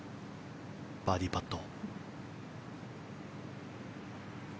バーディーパット。